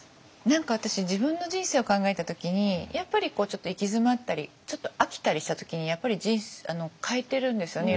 何か私自分の人生を考えた時にやっぱりちょっと行き詰まったりちょっと飽きたりした時にやっぱり変えてるんですよね